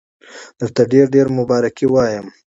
درته ډېر ډېر مبارکي وایم.